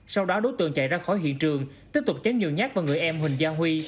sau đó đối tượng chạy ra khỏi hiện trường tiếp tục chém nhiều nhát vào người em huỳnh gia huy